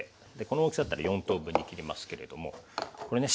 この大きさだったら４等分に切りますけれどもこれね